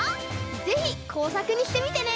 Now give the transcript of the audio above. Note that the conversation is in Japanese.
ぜひこうさくにしてみてね！